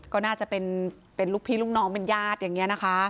ก็น่าจะเป็นลูกพี่ลูกน้องเป็นญาติอย่างนี้นะคะ